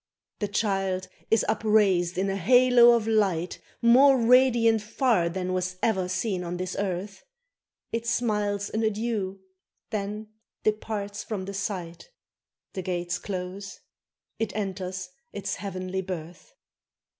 The child is upraised in a halo of light More radiant far than was e'er seen on this earth; It smiles an adieu! then departs from the sight; The gates close: it enters its heavenly birth!